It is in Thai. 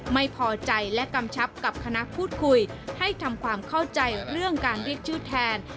ไม่พอใจและกำชับกับคณะพูดคุยให้ทำความเข้าใจเรื่องการเรียกชื่อแทน